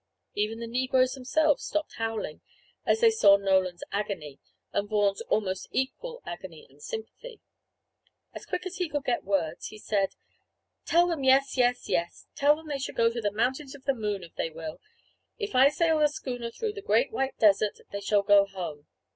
Even the negroes themselves stopped howling, as they saw Nolan's agony, and Vaughan's almost equal agony of sympathy. As quick as he could get words, he said: "Tell them yes, yes, yes; tell them they shall go to the Mountains of the Moon, if they will. If I sail the schooner through the Great White Desert, they shall go home!"